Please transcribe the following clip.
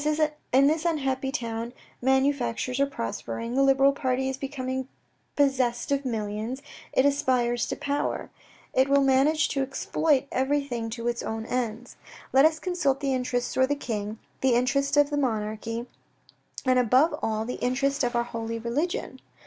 In this unhappy town, manufactures are prospering, the Liberal party is becoming possessed of millions, it aspires to power ; it will manage to exploit 104 THE RED AND THE BLACK everything to its own ends. Let us consult the interests 01 the king, the interest of the monarchy, and above all, the interest of our holy religion.